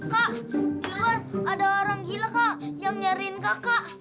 kak di luar ada orang gila yang nyariin kakak